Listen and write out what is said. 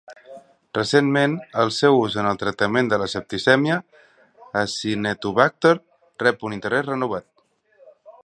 Recentment, el seu ús en el tractament de la septicèmia "Acinetobacter" rep un interès renovat.